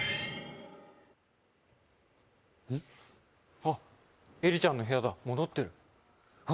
あっえりちゃんの部屋だ戻ってるああ